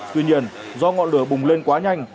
tuy nhiên do ngọn lửa bùng lên quá nhanh